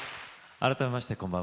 改めましてこんばんは。